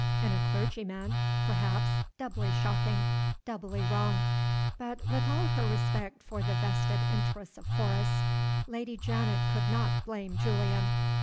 In a clergyman (perhaps) doubly shocking, doubly wrong. But, with all her respect for the vested interests of Horace, Lady Janet could not blame Julian.